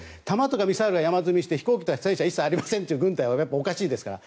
弾とかミサイルは山積みにして飛行機とかが一切ありませんという軍隊はおかしいですから。